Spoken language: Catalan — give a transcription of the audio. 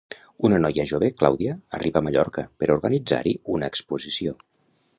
Una noia jove, Clàudia, arriba a Mallorca per organitzar-hi una exposició.